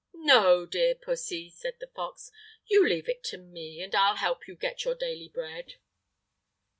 "No, dear pussy!" said the fox; "you leave it to me, and I'll help you get your daily bread."